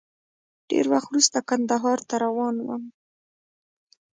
ډېر وخت وروسته کندهار ته روان وم.